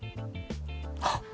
あっ！